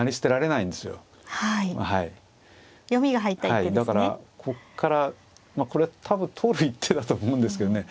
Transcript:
はいだからここからこれ多分取る一手だと思うんですけどね